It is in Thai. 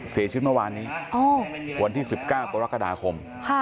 เสียชีวิตเมื่อวานนี้วันที่๑๙กรกฎาคม